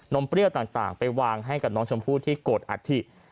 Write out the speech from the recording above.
มเปรี้ยวต่างไปวางให้กับน้องชมพู่ที่โกรธอัฐิ